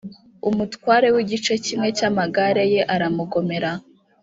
umutware w’igice kimwe cy’amagare ye aramugomera